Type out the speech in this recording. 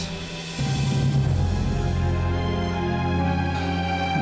jadi saya jadi beranaminan dell anyone